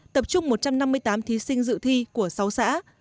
tập trung một trăm năm mươi tám thí sinh dự thi của sáu xã